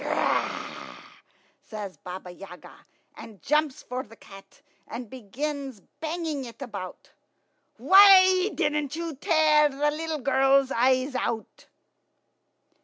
"Grr," says Baba Yaga, and jumps for the cat, and begins banging it about. "Why didn't you tear the little girl's eyes out?"